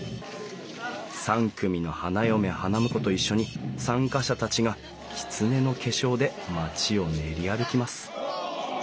３組の花嫁花婿と一緒に参加者たちがきつねの化粧で町を練り歩きます。